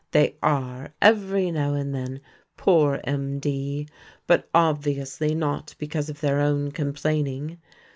They are, every now and then, "poor MD," but obviously not because of their own complaining.